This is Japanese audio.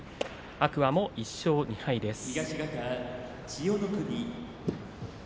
天空海も１勝２敗です。